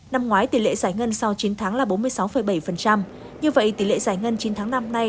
năm ngoái tỷ lệ giải ngân sau chín tháng là bốn mươi sáu bảy như vậy tỷ lệ giải ngân chín tháng năm nay